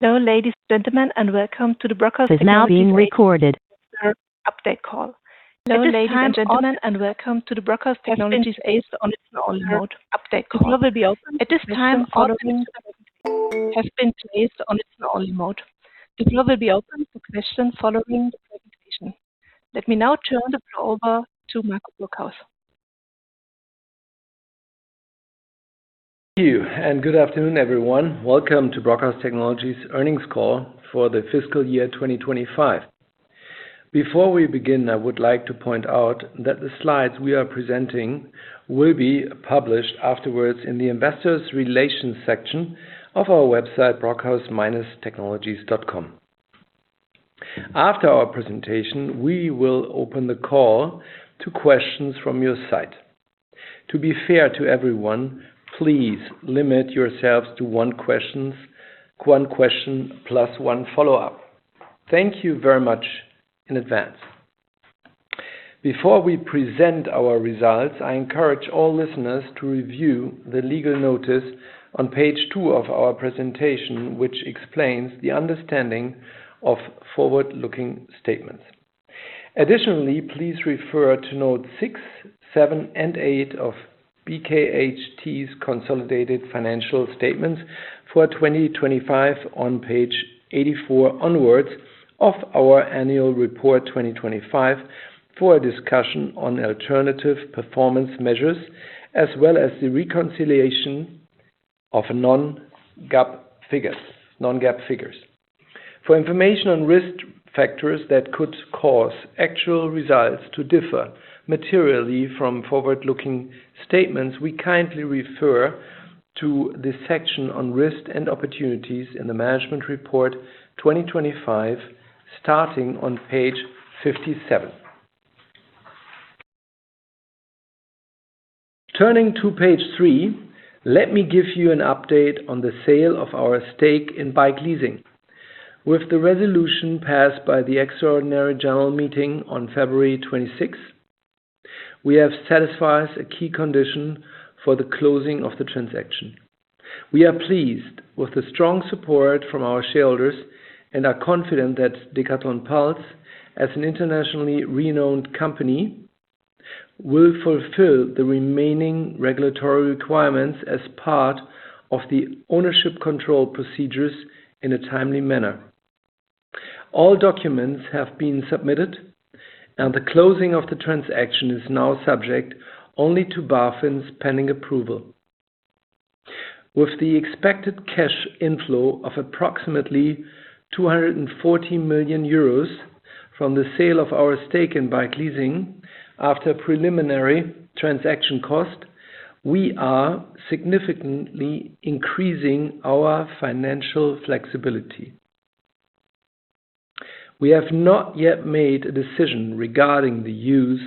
Hello, ladies and gentlemen, and welcome to the Brockhaus Technologies AG update call. At this time, all lines have been placed on listen-only mode. The floor will be open for questions following the presentation. Let me now turn the floor over to Marco Brockhaus. Thank you, and good afternoon, everyone. Welcome to Brockhaus Technologies Earnings Call for the Fiscal Year 2025. Before we begin, I would like to point out that the slides we are presenting will be published afterwards in the investor relations section of our website, brockhaus-technologies.com. After our presentation, we will open the call to questions from your side. To be fair to everyone, please limit yourselves to one question plus one follow-up. Thank you very much in advance. Before we present our results, I encourage all listeners to review the legal notice on page two of our presentation, which explains the understanding of forward-looking statements. Additionally, please refer to notes six, seven, and eight of BKHT's consolidated financial statements for 2025 on page 84 onwards of our annual report 2025 for a discussion on alternative performance measures, as well as the reconciliation of non-GAAP figures. For information on risk factors that could cause actual results to differ materially from forward-looking statements, we kindly refer to the section on risk and opportunities in the management report 2025, starting on page 57. Turning to page three, let me give you an update on the sale of our stake in Bikeleasing. With the resolution passed by the extraordinary general meeting on February 26th, we have satisfied a key condition for the closing of the transaction. We are pleased with the strong support from our shareholders and are confident that Decathlon Pulse, as an internationally renowned company, will fulfill the remaining regulatory requirements as part of the ownership control procedures in a timely manner. All documents have been submitted, and the closing of the transaction is now subject only to BaFin's pending approval. With the expected cash inflow of approximately 240 million euros from the sale of our stake in Bikeleasing after preliminary transaction cost, we are significantly increasing our financial flexibility. We have not yet made a decision regarding the use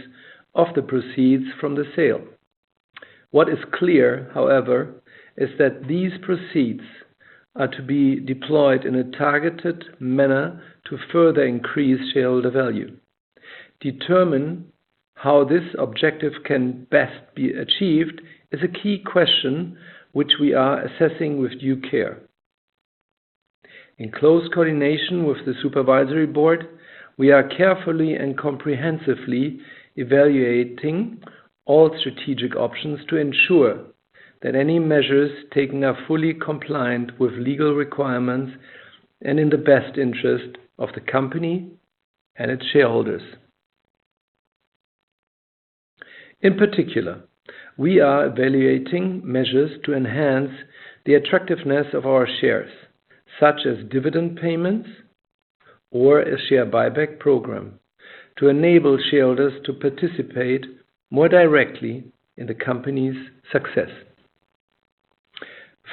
of the proceeds from the sale. What is clear, however, is that these proceeds are to be deployed in a targeted manner to further increase shareholder value. To determine how this objective can best be achieved is a key question which we are assessing with due care. In close coordination with the supervisory board, we are carefully and comprehensively evaluating all strategic options to ensure that any measures taken are fully compliant with legal requirements and in the best interest of the company and its shareholders. In particular, we are evaluating measures to enhance the attractiveness of our shares, such as dividend payments or a share buyback program, to enable shareholders to participate more directly in the company's success.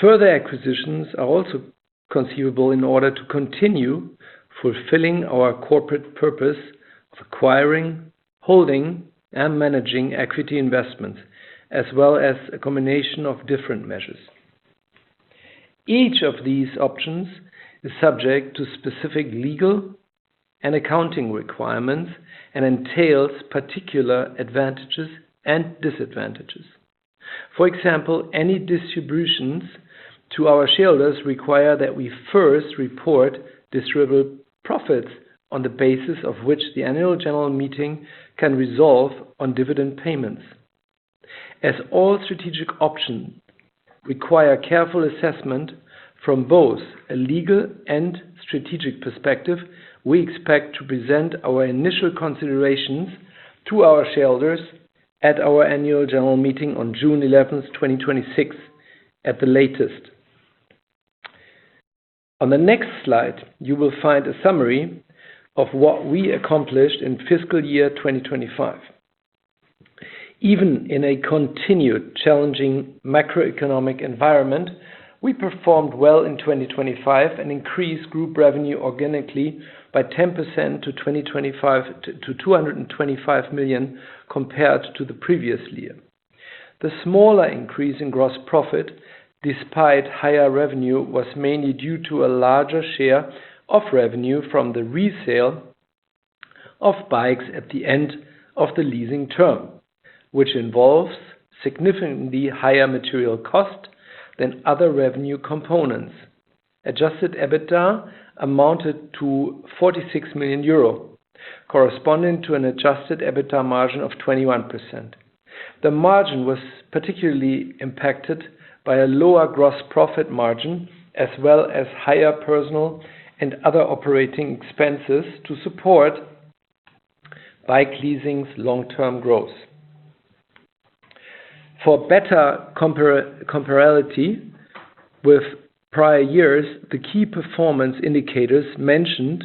Further acquisitions are also conceivable in order to continue fulfilling our corporate purpose of acquiring, holding, and managing equity investment, as well as a combination of different measures. Each of these options is subject to specific legal and accounting requirements and entails particular advantages and disadvantages. For example, any distributions to our shareholders require that we first report distributable profits on the basis of which the annual general meeting can resolve on dividend payments. As all strategic options require careful assessment from both a legal and strategic perspective, we expect to present our initial considerations to our shareholders at our annual general meeting on June 11th, 2026 at the latest. On the next slide, you will find a summary of what we accomplished in fiscal year 2025. Even in a continued challenging macroeconomic environment, we performed well in 2025 and increased group revenue organically by 10% to 225 million compared to the previous year. The smaller increase in gross profit, despite higher revenue, was mainly due to a larger share of revenue from the resale of bikes at the end of the leasing term, which involves significantly higher material cost than other revenue components. Adjusted EBITDA amounted to 46 million euro, corresponding to an adjusted EBITDA margin of 21%. The margin was particularly impacted by a lower gross profit margin as well as higher personnel and other operating expenses to support Bikeleasing's long-term growth. For better comparability with prior years, the key performance indicators mentioned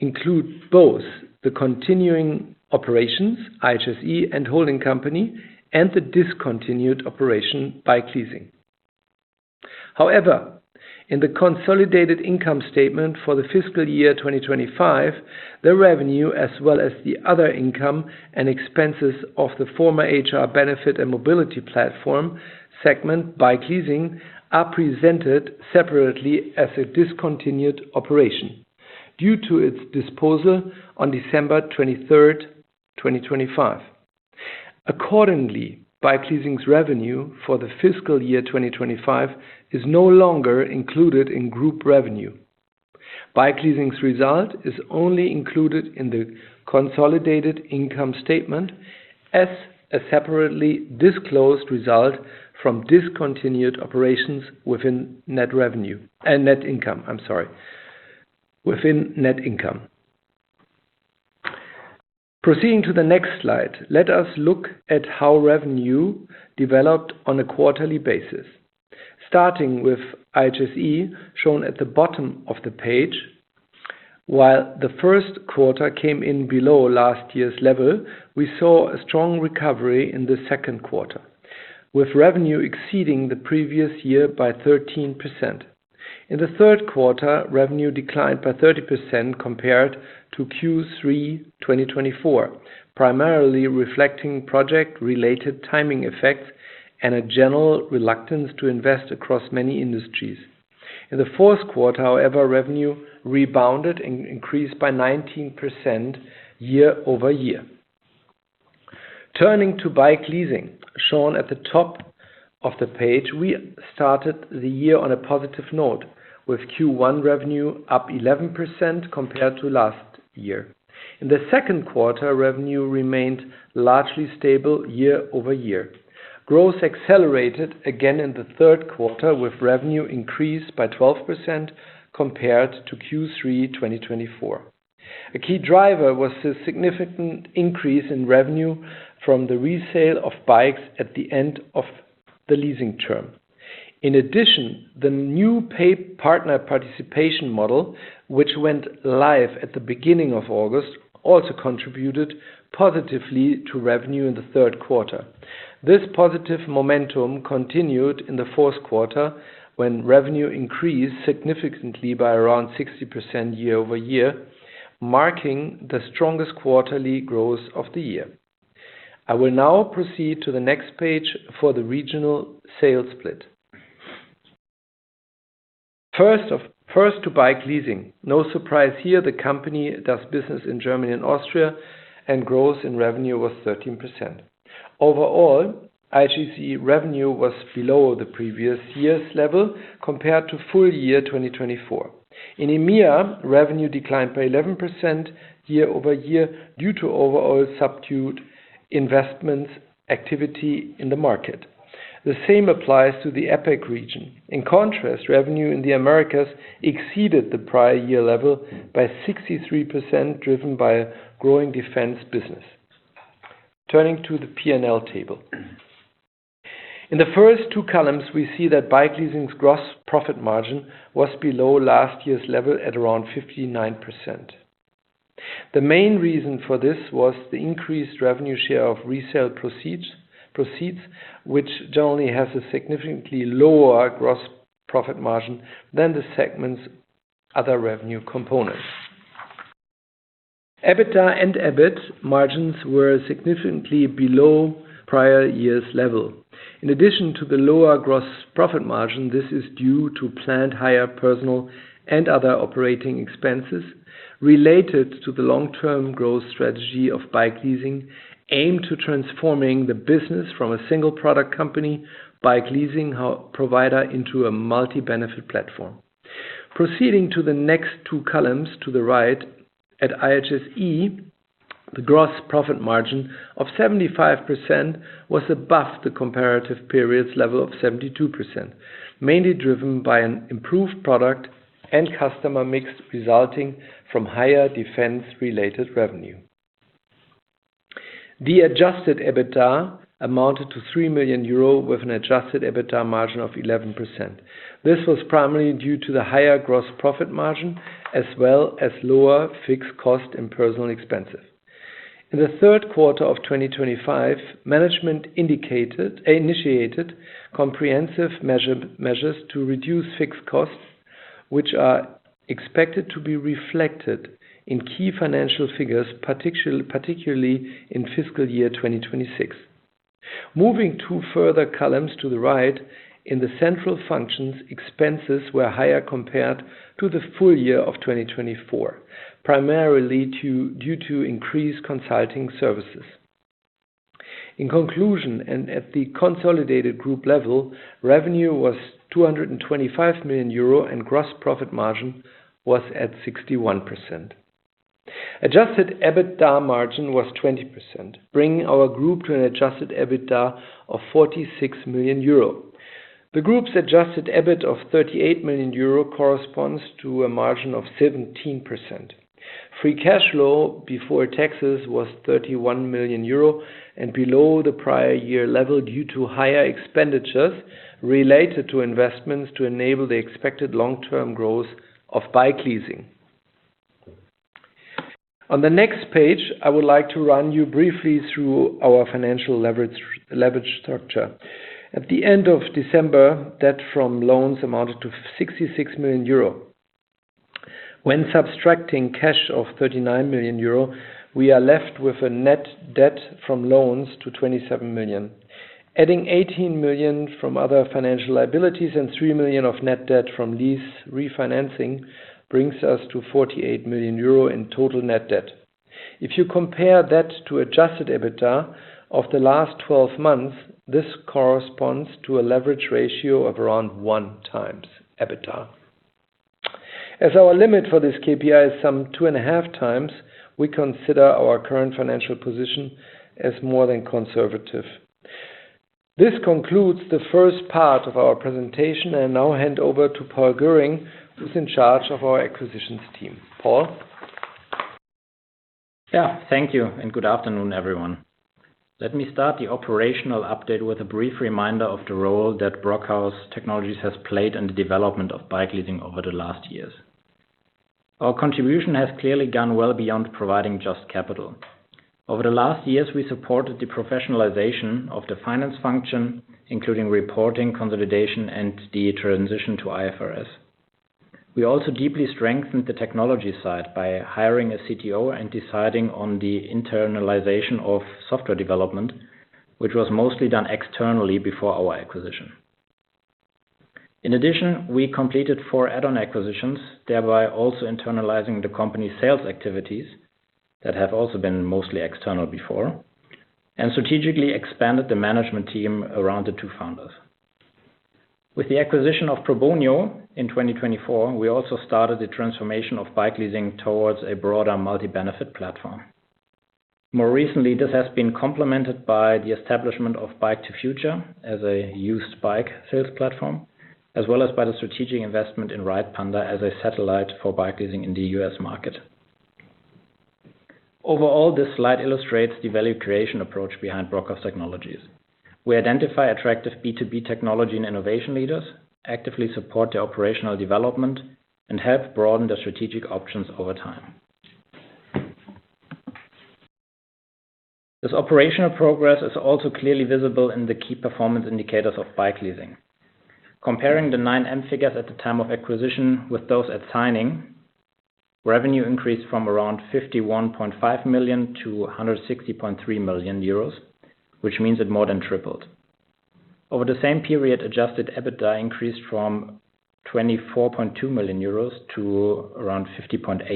include both the continuing operations, IHSE and holding company, and the discontinued operation Bikeleasing. However, in the consolidated income statement for the fiscal year 2025, the revenue as well as the other income and expenses of the former HR Benefit & Mobility Platform segment Bikeleasing are presented separately as a discontinued operation due to its disposal on December 23rd, 2025. Accordingly, Bikeleasing's revenue for the fiscal year 2025 is no longer included in group revenue. Bikeleasing's result is only included in the consolidated income statement as a separately disclosed result from discontinued operations within net revenue. Net income, I'm sorry. Within net income. Proceeding to the next slide, let us look at how revenue developed on a quarterly basis. Starting with IHSE, shown at the bottom of the page. While the first quarter came in below last year's level, we saw a strong recovery in the second quarter, with revenue exceeding the previous year by 13%. In the third quarter, revenue declined by 30% compared to Q3 2024, primarily reflecting project-related timing effects and a general reluctance to invest across many industries. In the fourth quarter, however, revenue rebounded and increased by 19% year-over-year. Turning to Bikeleasing, shown at the top of the page, we started the year on a positive note with Q1 revenue up 11% compared to last year. In the second quarter, revenue remained largely stable year-over-year. Growth accelerated again in the third quarter with revenue increased by 12% compared to Q3 2024. A key driver was the significant increase in revenue from the resale of bikes at the end of the leasing term. In addition, the new partner participation model, which went live at the beginning of August, also contributed positively to revenue in the third quarter. This positive momentum continued in the fourth quarter, when revenue increased significantly by around 60% year-over-year, marking the strongest quarterly growth of the year. I will now proceed to the next page for the regional sales split. First to Bikeleasing. No surprise here, the company does business in Germany and Austria, and growth in revenue was 13%. Overall, IHSE revenue was below the previous year's level compared to full year 2024. In EMEA, revenue declined by 11% year-over-year due to overall subdued investment activity in the market. The same applies to the APAC region. In contrast, revenue in the Americas exceeded the prior year level by 63%, driven by growing defense business. Turning to the P&L table. In the first two columns, we see that Bikeleasing's gross profit margin was below last year's level at around 59%. The main reason for this was the increased revenue share of resale proceeds, which generally has a significantly lower gross profit margin than the segment's other revenue components. EBITDA and EBIT margins were significantly below prior year's level. In addition to the lower gross profit margin, this is due to planned higher personnel and other operating expenses related to the long-term growth strategy of Bikeleasing, aimed to transforming the business from a single product company, Bikeleasing provider into a multi-benefit platform. Proceeding to the next two columns to the right, at IHSE, the gross profit margin of 75% was above the comparative period's level of 72%, mainly driven by an improved product and customer mix resulting from higher defense-related revenue. The adjusted EBITDA amounted to 3 million euro with an adjusted EBITDA margin of 11%. This was primarily due to the higher gross profit margin as well as lower fixed cost and personnel expenses. In the third quarter of 2025, management initiated comprehensive measures to reduce fixed costs, which are expected to be reflected in key financial figures, particularly in fiscal year 2026. Moving two further columns to the right, in the central functions, expenses were higher compared to the full year of 2024, primarily due to increased consulting services. In conclusion, at the consolidated group level, revenue was 225 million euro and gross profit margin was at 61%. Adjusted EBITDA margin was 20%, bringing our group to an adjusted EBITDA of 46 million euro. The group's adjusted EBIT of 38 million euro corresponds to a margin of 17%. Free cash flow before taxes was 31 million euro and below the prior year level due to higher expenditures related to investments to enable the expected long-term growth of Bikeleasing. On the next page, I would like to run you briefly through our financial leverage structure. At the end of December, debt from loans amounted to 66 million euro. When subtracting cash of 39 million euro, we are left with a net debt from loans to 27 million. Adding 18 million from other financial liabilities and 3 million of net debt from lease refinancing brings us to 48 million euro in total net debt. If you compare that to adjusted EBITDA of the last 12 months, this corresponds to a leverage ratio of around 1x EBITDA. As our limit for this KPI is some 2.5x, we consider our current financial position as more than conservative. This concludes the first part of our presentation, and now hand over to Paul Göhring, who's in charge of our Acquisitions team. Paul. Yeah. Thank you and good afternoon, everyone. Let me start the operational update with a brief reminder of the role that Brockhaus Technologies has played in the development of Bikeleasing over the last years. Our contribution has clearly gone well beyond providing just capital. Over the last years, we supported the professionalization of the finance function, including reporting, consolidation, and the transition to IFRS. We also deeply strengthened the technology side by hiring a CTO and deciding on the internalization of software development, which was mostly done externally before our acquisition. In addition, we completed four add-on acquisitions, thereby also internalizing the company's sales activities that have also been mostly external before, and strategically expanded the management team around the two founders. With the acquisition of Probonio in 2024, we also started the transformation of Bikeleasing towards a broader multi-benefit platform. More recently, this has been complemented by the establishment of Bike2Future as a used bike sales platform, as well as by the strategic investment in Ridepanda as a satellite for Bikeleasing in the U.S. market. Overall, this slide illustrates the value creation approach behind Brockhaus Technologies. We identify attractive B2B technology and innovation leaders, actively support their operational development, and help broaden their strategic options over time. This operational progress is also clearly visible in the key performance indicators of Bikeleasing. Comparing the 9M figures at the time of acquisition with those at signing, revenue increased from around 51.5 million to 160.3 million euros, which means it more than tripled. Over the same period, adjusted EBITDA increased from 24.2 million euros to around 50.8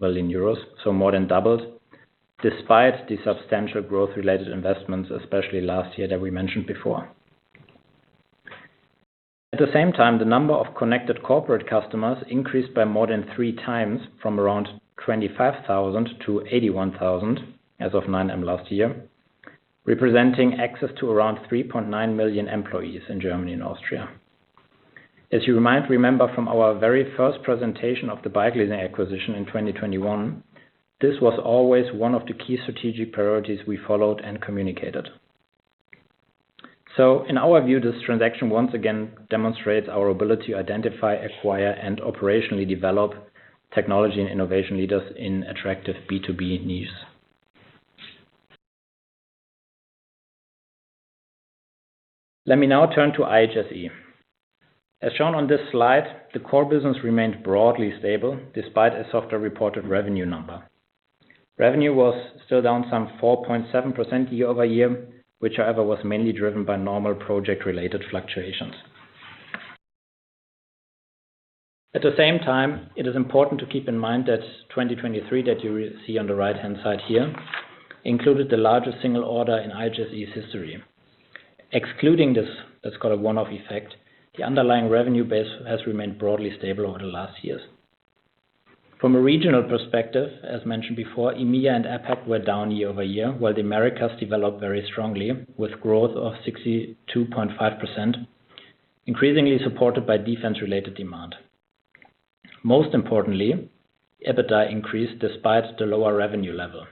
million euros, so more than doubled, despite the substantial growth-related investments, especially last year that we mentioned before. At the same time, the number of connected corporate customers increased by more than three times from around 25,000 to 81,000 as of 9M last year, representing access to around 3.9 million employees in Germany and Austria. As you might remember from our very first presentation of the Bikeleasing acquisition in 2021, this was always one of the key strategic priorities we followed and communicated. In our view, this transaction once again demonstrates our ability to identify, acquire, and operationally develop technology and innovation leaders in attractive B2B niches. Let me now turn to IHSE. As shown on this slide, the core business remained broadly stable despite a softer reported revenue number. Revenue was still down some 4.7% year over year, which however was mainly driven by normal project-related fluctuations. At the same time, it is important to keep in mind that 2023 that you see on the right-hand side here included the largest single order in IHSE's history. Excluding this, let's call it one-off effect, the underlying revenue base has remained broadly stable over the last years. From a regional perspective, as mentioned before, EMEA and APAC were down year over year, while the Americas developed very strongly with growth of 62.5%, increasingly supported by defense-related demand. Most importantly, EBITDA increased despite the lower revenue level.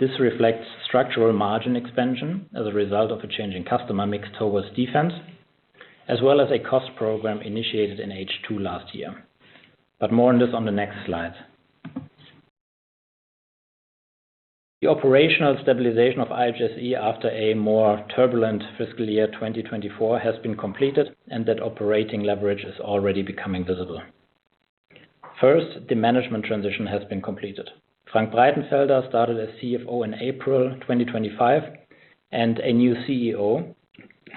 This reflects structural margin expansion as a result of a change in customer mix towards defense, as well as a cost program initiated in H2 last year. More on this on the next slide. The operational stabilization of IHSE after a more turbulent fiscal year 2024 has been completed, and that operating leverage is already becoming visible. First, the management transition has been completed. Frank Breitenfelder started as CFO in April 2025, and a new CEO,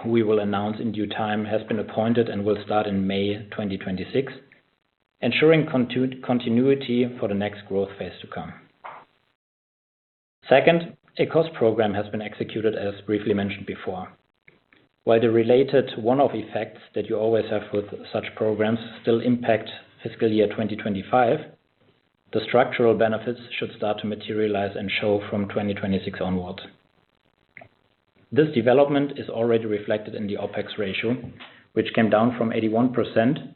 who we will announce in due time, has been appointed and will start in May 2026, ensuring continuity for the next growth phase to come. Second, a cost program has been executed, as briefly mentioned before. While the related one-off effects that you always have with such programs still impact fiscal year 2025, the structural benefits should start to materialize and show from 2026 onwards. This development is already reflected in the OPEX ratio, which came down from 81%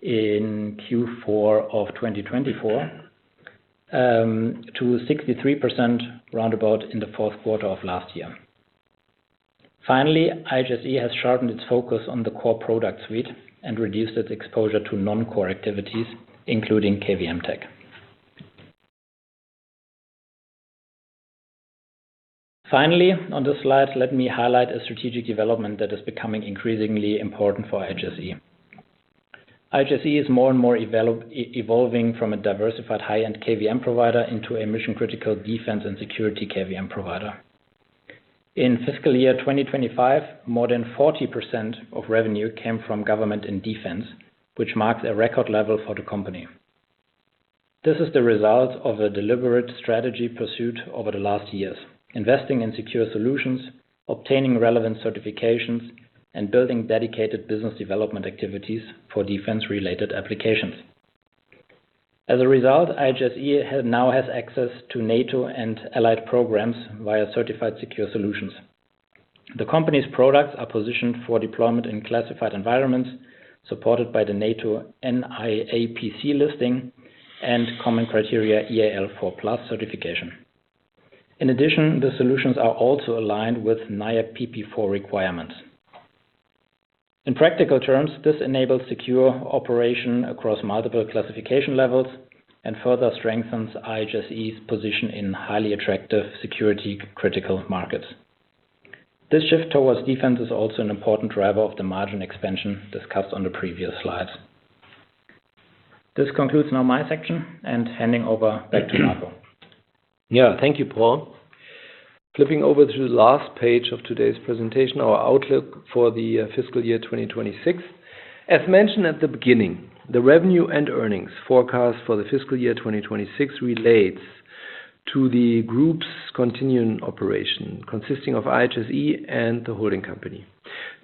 in Q4 of 2024 to 63% roundabout in the fourth quarter of last year. Finally, IHSE has sharpened its focus on the core product suite and reduced its exposure to non-core activities, including kvm-tec. Finally, on this slide, let me highlight a strategic development that is becoming increasingly important for IHSE. IHSE is more and more evolving from a diversified high-end KVM provider into a mission-critical defense and security KVM provider. In fiscal year 2025, more than 40% of revenue came from government and defense, which marked a record level for the company. This is the result of a deliberate strategy pursuit over the last years, investing in secure solutions, obtaining relevant certifications, and building dedicated business development activities for defense-related applications. As a result, IHSE now has access to NATO and allied programs via certified secure solutions. The company's products are positioned for deployment in classified environments, supported by the NATO NIAPC listing and Common Criteria EAL4+ certification. In addition, the solutions are also aligned with NIAP PP4.0 requirements. In practical terms, this enables secure operation across multiple classification levels and further strengthens IHSE's position in highly attractive security-critical markets. This shift towards defense is also an important driver of the margin expansion discussed on the previous slides. This concludes now my section and handing over back to Marco. Yeah. Thank you, Paul. Flipping over to the last page of today's presentation, our outlook for the fiscal year 2026. As mentioned at the beginning, the revenue and earnings forecast for the fiscal year 2026 relates to the group's continuing operation, consisting of IHSE and the holding company.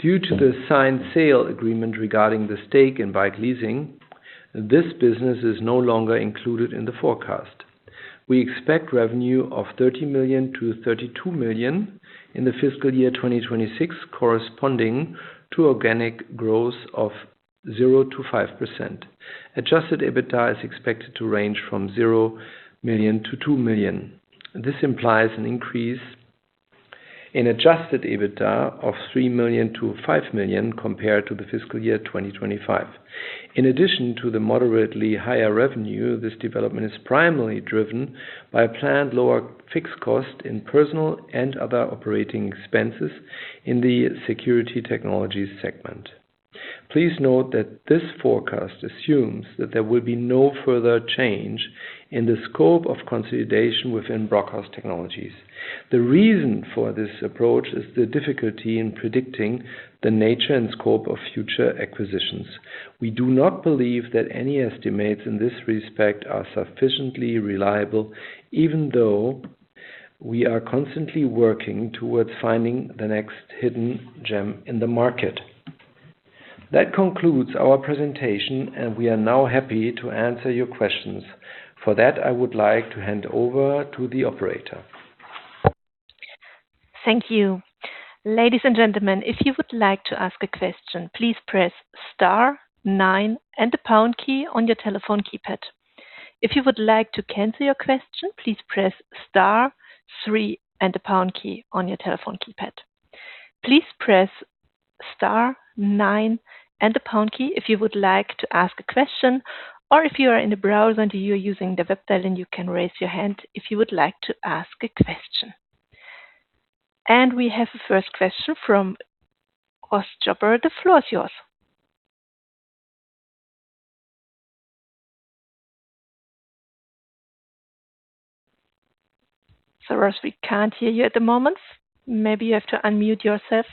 Due to the signed sale agreement regarding the stake in Bikeleasing, this business is no longer included in the forecast. We expect revenue of 30 million-32 million in the fiscal year 2026, corresponding to organic growth of 0%-5%. Adjusted EBITDA is expected to range from 0 million-2 million. This implies an increase in adjusted EBITDA of 3 million-5 million compared to the fiscal year 2025. In addition to the moderately higher revenue, this development is primarily driven by a planned lower fixed cost in personal and other operating expenses in the security technologies segment. Please note that this forecast assumes that there will be no further change in the scope of consolidation within Brockhaus Technologies. The reason for this approach is the difficulty in predicting the nature and scope of future acquisitions. We do not believe that any estimates in this respect are sufficiently reliable, even though we are constantly working towards finding the next hidden gem in the market. That concludes our presentation, and we are now happy to answer your questions. For that, I would like to hand over to the operator. Thank you. We have the first question from Ross Jobber. The floor is yours. Ross, we can't hear you at the moment. Maybe you have to unmute yourself.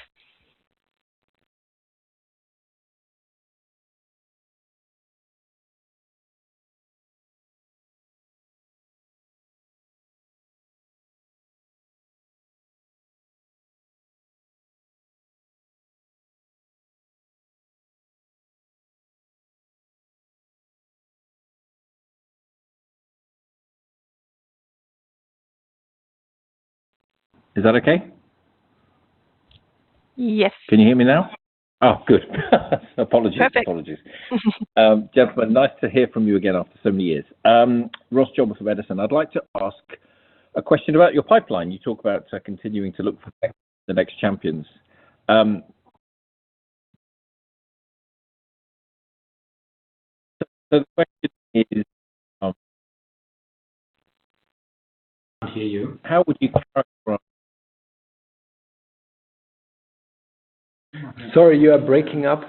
Is that okay? Yes. Can you hear me now? Oh, good. Apologies. Perfect. Apologies. Gentlemen, nice to hear from you again after so many years. Ross Jobber with Edison. I'd like to ask a question about your pipeline. You talk about continuing to look for the next champions. The question is how would you describe Sorry, you are breaking up.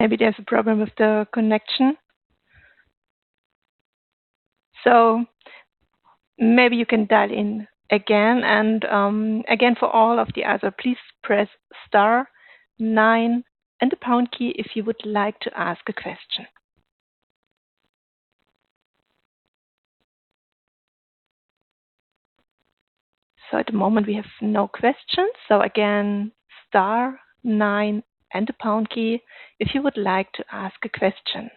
Maybe there's a problem with the connection. Maybe you can dial in again and, again for all of the others, please press star nine and the pound key if you would like to ask a question. At the moment we have no questions. Again, star nine and the pound key, if you would like to ask a question.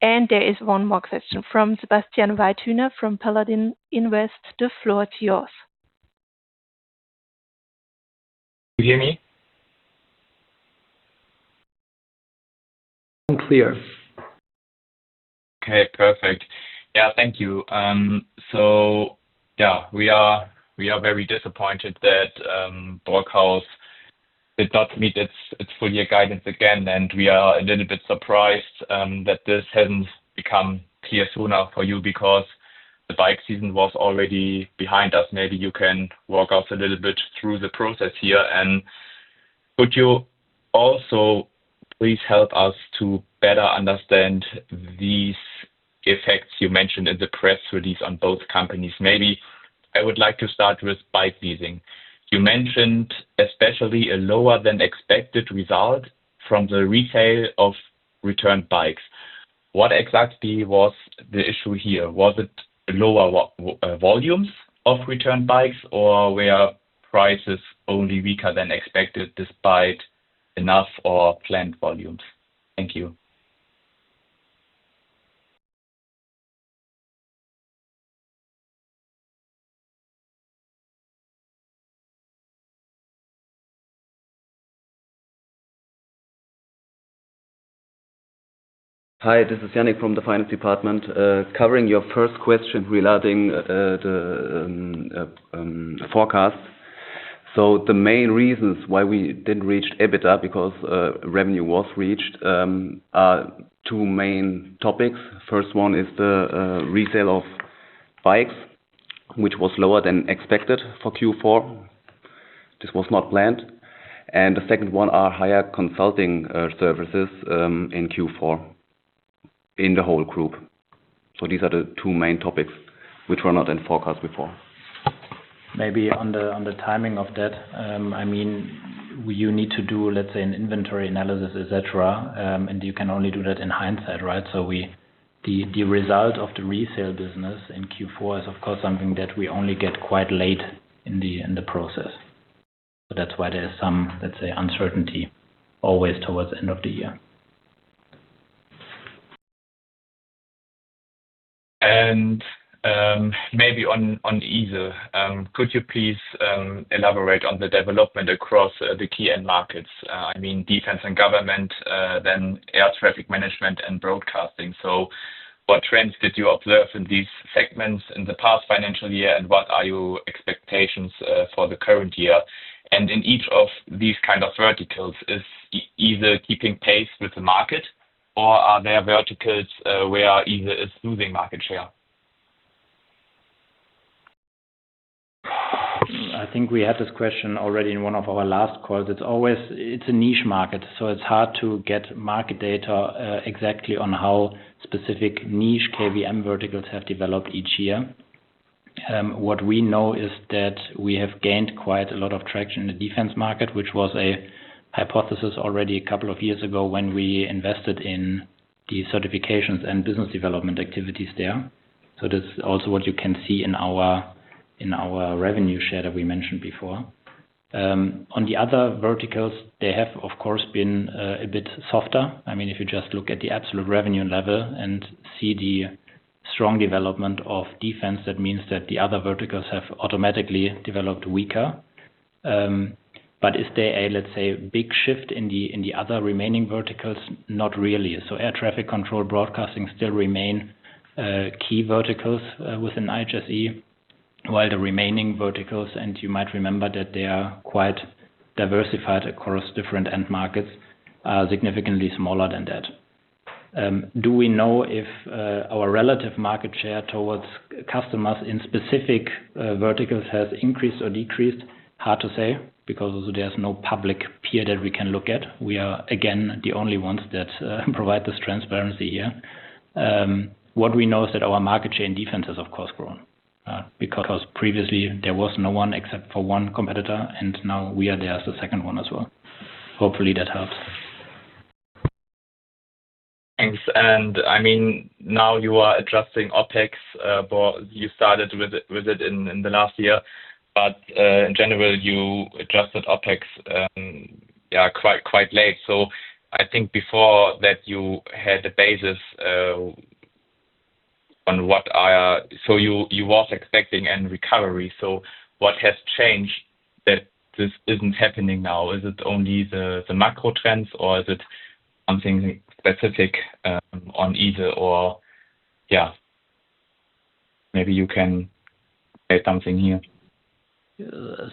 There is one more question from Sebastian Weidhüner from Paladin Invest. The floor is yours. You hear me? Clear. Okay, perfect. Yeah, thank you. So yeah, we are very disappointed that Brockhaus did not meet its full year guidance again, and we are a little bit surprised that this hasn't become clear sooner for you because the bike season was already behind us. Maybe you can walk us a little bit through the process here. Could you also please help us to better understand these effects you mentioned in the press release on both companies? Maybe I would like to start with Bikeleasing. You mentioned especially a lower than expected result from the resale of returned bikes. What exactly was the issue here? Was it lower volumes of returned bikes, or were prices only weaker than expected despite enough or planned volumes? Thank you. Hi, this is Yannick from the Finance Department, covering your first question regarding the forecast. The main reasons why we didn't reach EBITDA because revenue was not reached are two main topics. First one is the resale of bikes, which was lower than expected for Q4. This was not planned. The second one are higher consulting services in Q4 in the whole group. These are the two main topics which were not forecasted before. Maybe on the timing of that, I mean, you need to do, let's say, an inventory analysis, et cetera, and you can only do that in hindsight, right? The result of the resale business in Q4 is of course something that we only get quite late in the process. That's why there's some, let's say, uncertainty always towards the end of the year. Maybe on IHSE, could you please elaborate on the development across the key end markets? I mean, defense and government, then air traffic management and broadcasting. What trends did you observe in these segments in the past financial year, and what are your expectations for the current year? In each of these kind of verticals, is IHSE keeping pace with the market or are there verticals where IHSE is losing market share? I think we had this question already in one of our last calls. It's a niche market, so it's hard to get market data exactly on how specific niche KVM verticals have developed each year. What we know is that we have gained quite a lot of traction in the defense market, which was a hypothesis already a couple of years ago when we invested in the certifications and business development activities there. That's also what you can see in our revenue share that we mentioned before. On the other verticals, they have of course been a bit softer. I mean, if you just look at the absolute revenue level and see the strong development of defense, that means that the other verticals have automatically developed weaker. Is there a, let's say, big shift in the other remaining verticals? Not really. Air traffic control broadcasting still remain key verticals within IHSE, while the remaining verticals, and you might remember that they are quite diversified across different end markets, are significantly smaller than that. Do we know if our relative market share towards customers in specific verticals has increased or decreased? Hard to say because there's no public peer that we can look at. We are, again, the only ones that provide this transparency here. What we know is that our market share in defense has of course grown, because previously there was no one except for one competitor, and now we are there as the second one as well. Hopefully, that helps. Thanks. I mean, now you are adjusting OpEx, but you started with it in the last year. In general, you adjusted OpEx quite late. I think before that you had a basis. You was expecting a recovery. What has changed that this isn't happening now? Is it only the macro trends or is it something specific on IHSE? Maybe you can say something here.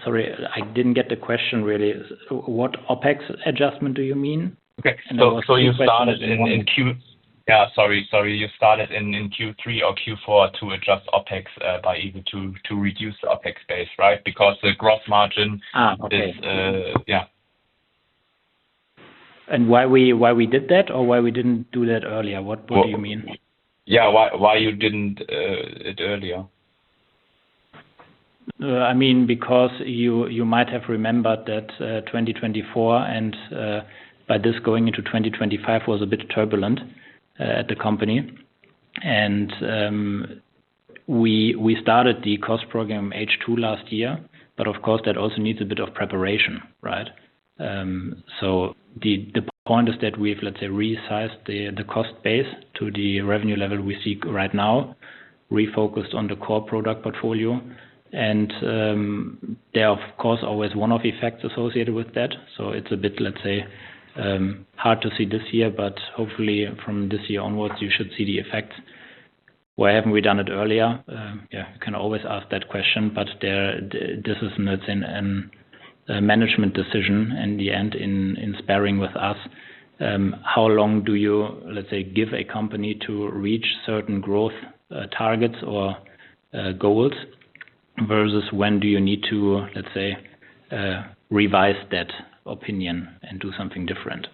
Sorry, I didn't get the question really. What OpEx adjustment do you mean? Okay. You started in Q3 or Q4 to adjust OpEx, even to reduce the OpEx base, right? Because the gross margin. Okay. Yeah. Why we did that or why we didn't do that earlier? What do you mean? Yeah. Why you didn't it earlier? I mean, because you might have remembered that 2024 and by this going into 2025 was a bit turbulent at the company. We started the cost program H2 last year, but of course, that also needs a bit of preparation, right? The point is that we've, let's say, resized the cost base to the revenue level we seek right now, refocused on the core product portfolio. There are, of course, always one-off effects associated with that. It's a bit, let's say, hard to see this year, but hopefully from this year onwards, you should see the effects. Why haven't we done it earlier? Yeah, can always ask that question, but this is not a management decision in the end, in speaking with us, how long do you, let's say, give a company to reach certain growth targets or goals versus when do you need to, let's say, revise that opinion and do something different?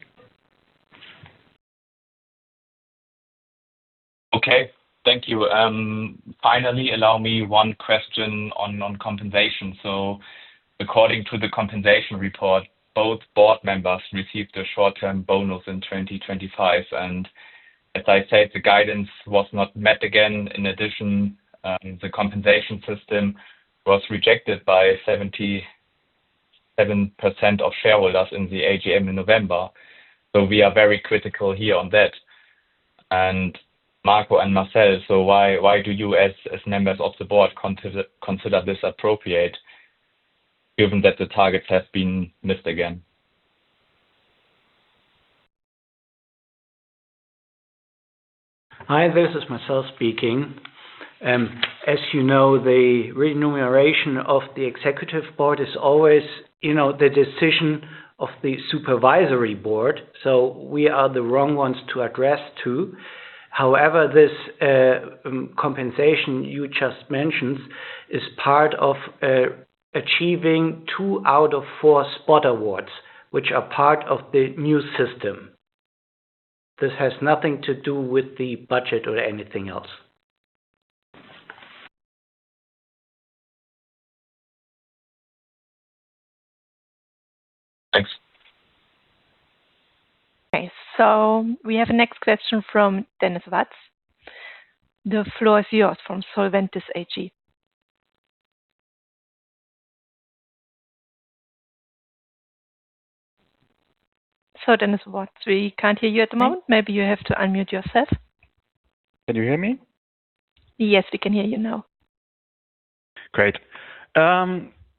Okay. Thank you. Finally, allow me one question on compensation. According to the compensation report, both Board Members received a short-term bonus in 2025. As I said, the guidance was not met again. In addition, the compensation system was rejected by 77% of shareholders in the AGM in November. We are very critical here on that. Marco and Marcel, why do you as members of the board consider this appropriate given that the targets have been missed again? Hi, this is Marcel speaking. As you know, the remuneration of the executive board is always, you know, the decision of the supervisory board. We are the wrong ones to address to. However, this compensation you just mentioned is part of achieving two out of four spot awards, which are part of the new system. This has nothing to do with the budget or anything else. Thanks. Okay. We have a next question from Dennis Watz. The floor is yours from Solventis AG. Dennis Watz, we can't hear you at the moment. Maybe you have to unmute yourself. Can you hear me? Yes, we can hear you now. Great.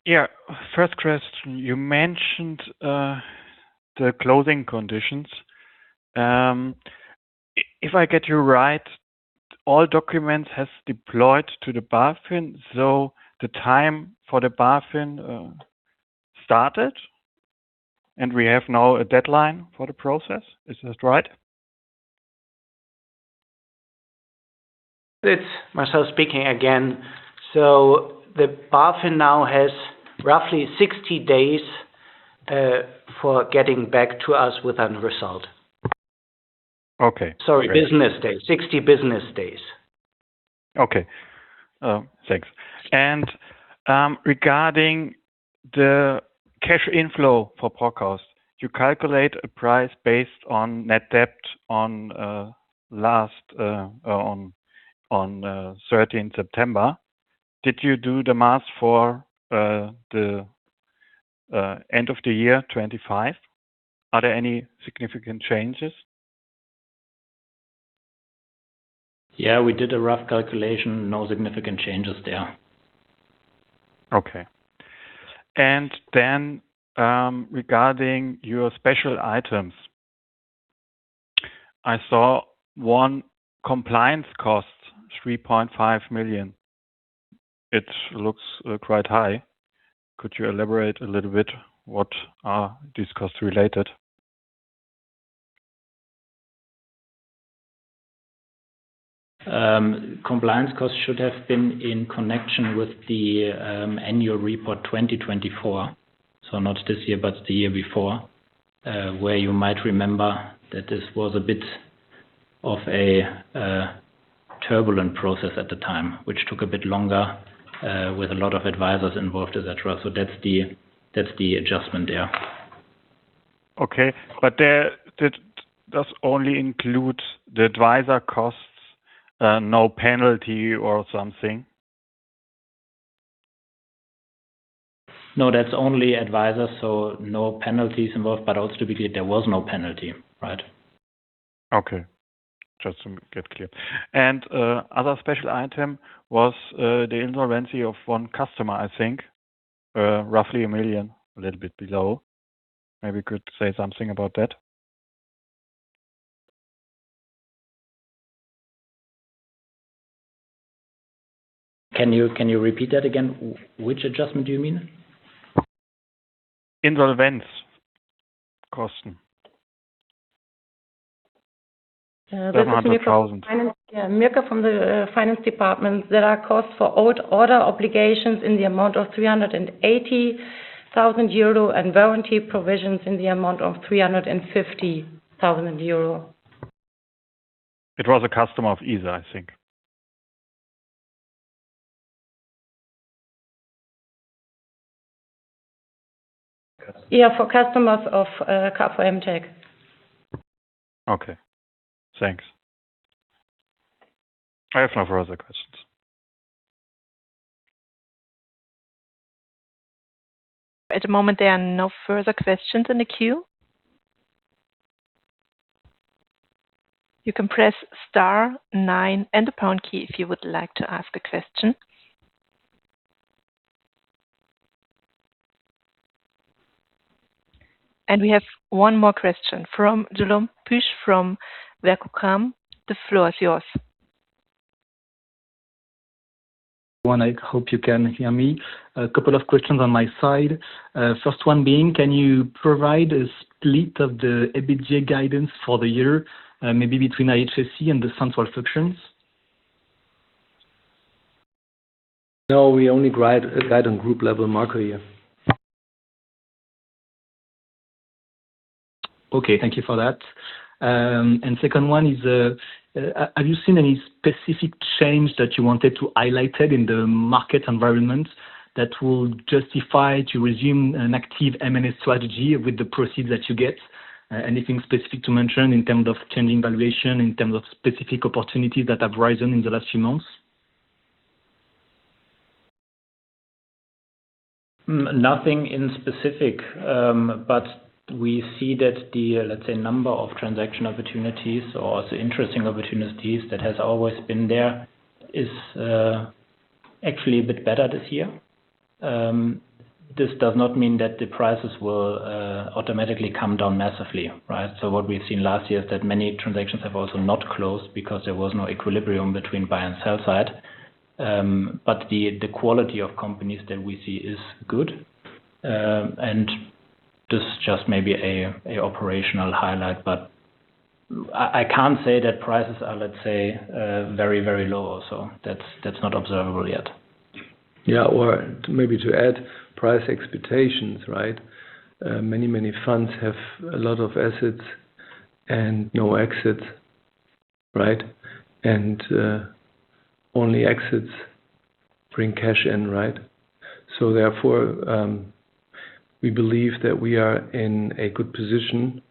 Yeah. First question, you mentioned the closing conditions. If I get you right, all documents has deployed to the BaFin, so the time for the BaFin started, and we have now a deadline for the process. Is that right? It's Marcel speaking again. The BaFin now has roughly 60 days for getting back to us with a result. Okay. Sorry, business days. 60 business days. Okay. Thanks. Regarding the cash inflow for Probonio, you calculate a price based on net debt on last 13th September. Did you do the math for the end of the year 2025? Are there any significant changes? Yeah, we did a rough calculation. No significant changes there. Okay. Regarding your special items, I saw one compliance cost, 3.5 million. It looks quite high. Could you elaborate a little bit what are these costs related? Compliance costs should have been in connection with the annual report 2024. Not this year, but the year before, where you might remember that this was a bit of a turbulent process at the time, which took a bit longer, with a lot of advisors involved, et cetera. That's the adjustment there. Okay. Does only include the advisor costs, no penalty or something? No, that's only advisors, so no penalties involved. Also to be clear, there was no penalty, right? Okay. Just to get clear. Other special item was the insolvency of one customer, I think, roughly 1 million, a little bit below. Maybe you could say something about that. Can you repeat that again? Which adjustment do you mean? Insolvency costs. This is Mirka. EUR 700 thousand. Yeah, Mirka from the Finance Department. There are costs for old order obligations in the amount of 380 thousand euro and warranty provisions in the amount of 350 thousand euro. It was a customer of IHSE, I think. Yeah, for customers of kvm-tec. Okay. Thanks. I have no further questions. At the moment, there are no further questions in the queue. You can press star nine and the pound key if you would like to ask a question. We have one more question from Julian Pusch, from Berenberg. The floor is yours. One, I hope you can hear me. A couple of questions on my side. First one being, can you provide a split of the EBITDA guidance for the year, maybe between IHSE and the central functions? No, we only guide on group level, Marco, yeah. Okay. Thank you for that. Second one is, have you seen any specific change that you wanted to highlight it in the market environment that will justify to resume an active M&A strategy with the proceeds that you get? Anything specific to mention in terms of changing valuation, in terms of specific opportunities that have risen in the last few months? Nothing in specific, but we see that the, let's say, number of transaction opportunities or the interesting opportunities that has always been there is actually a bit better this year. This does not mean that the prices will automatically come down massively, right? What we've seen last year is that many transactions have also not closed because there was no equilibrium between buy and sell side. The quality of companies that we see is good. This is just maybe an operational highlight, but I can't say that prices are, let's say, very low also. That's not observable yet. Yeah. Maybe to add price expectations, right? Many funds have a lot of assets and no exits, right? Only exits bring cash in, right? Therefore, we believe that we are in a good position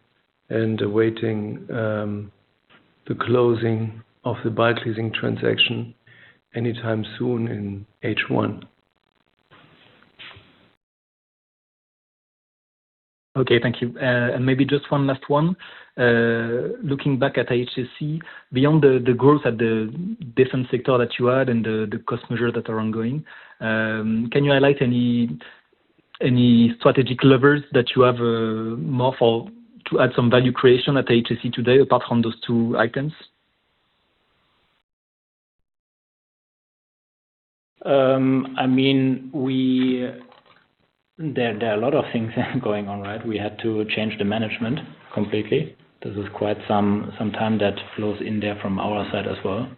and awaiting the closing of the Bikeleasing transaction anytime soon in H1. Okay. Thank you. Maybe just one last one. Looking back at IHSE, beyond the growth at the different sector that you had and the cost measures that are ongoing, can you highlight any strategic levers that you have to add some value creation at IHSE today, apart from those two items? I mean, there are a lot of things going on, right? We had to change the management completely. This is quite some time that flows in there from our side as well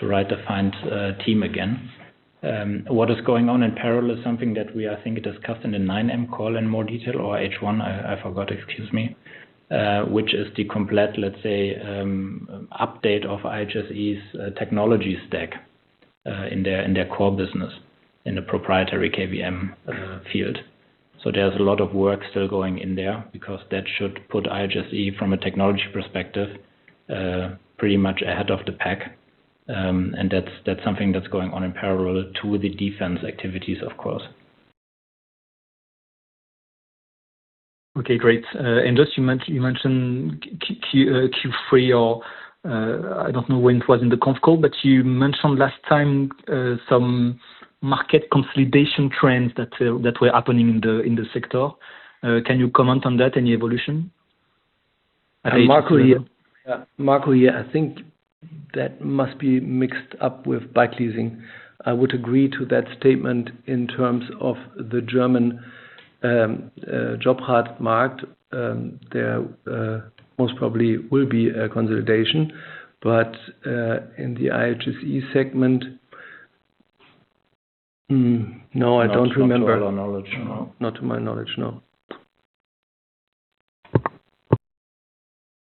to rebuild the team again. What is going on in parallel is something that we, I think, discussed in the 9M call in more detail or H1, I forgot, excuse me, which is the complete, let's say, update of IHSE's technology stack in their core business in the proprietary KVM field. There's a lot of work still going in there because that should put IHSE from a technology perspective pretty much ahead of the pack. That's something that's going on in parallel to the defense activities, of course. Okay, great. Just, you mentioned Q3. I don't know when it was in the conf call, but you mentioned last time some market consolidation trends that were happening in the sector. Can you comment on that? Any evolution? Marco here. I think that must be mixed up with Bikeleasing. I would agree to that statement in terms of the German JobRad Markt. There most probably will be a consolidation. In the IHSE segment, no, I don't remember. Not to our knowledge, no. Not to my knowledge, no.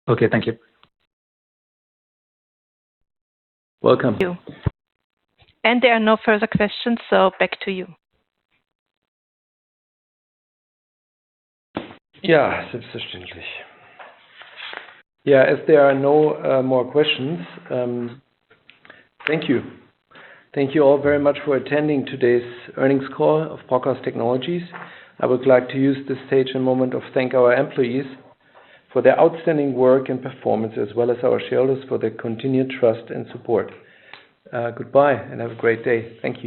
Okay. Thank you. Welcome. There are no further questions, so back to you. As there are no more questions, thank you. Thank you all very much for attending today's earnings call of Brockhaus Technologies. I would like to use this stage and moment to thank our employees for their outstanding work and performance, as well as our shareholders for their continued trust and support. Goodbye, and have a great day. Thank you.